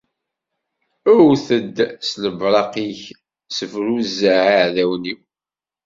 Ewt-d s lebraq-ik, ssebruzzeɛ iɛdawen-iw!